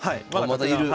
まだいる！